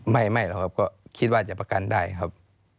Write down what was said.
ไม่หรอกครับก็คิดว่าจะประกันได้ครับ